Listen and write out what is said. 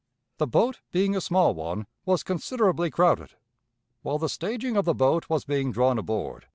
The boat, being a small one, was considerably crowded. While the staging of the boat was being drawn aboard.